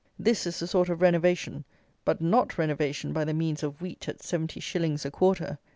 This is the sort of renovation, but not renovation by the means of wheat at seventy shillings a quarter.